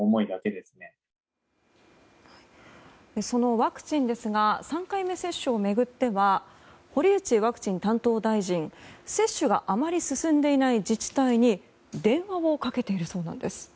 そのワクチンですが３回目接種を巡っては堀内ワクチン担当大臣、接種があまり進んでいない自治体に電話をかけているそうなんです。